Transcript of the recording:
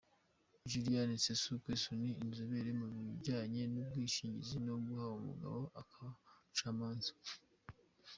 Julienne Sassou Nguesso ni inzobere mu bijyanye n’ubwishingizi na ho umugabo akaba umucamanza.